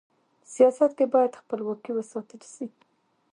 سیاست کي بايد خپلواکي و ساتل سي.